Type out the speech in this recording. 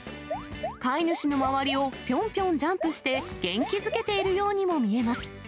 飼い主の周りをぴょんぴょんジャンプして、元気づけているようにも見えます。